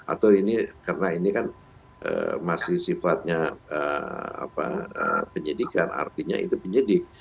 atau ini karena ini kan masih sifatnya penyidikan artinya itu penyidik